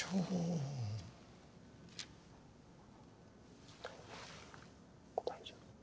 大丈夫。